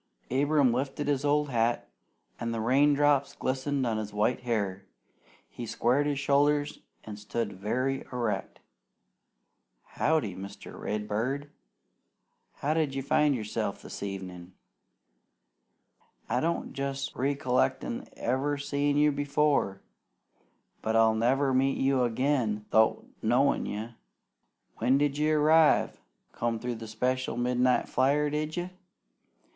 Abram lifted his old hat, and the raindrops glistened on his white hair. He squared his shoulders and stood very erect. "Howdy, Mr. Redbird! How d'ye find yerself this evenin'? I don't jest riccolict ever seein' you before, but I'll never meet you agin 'thout knowin' you. When d'you arrive? Come through by the special midnight flyer, did you?